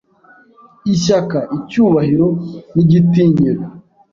ishyaka, icyubahiro n’igitinyiro”.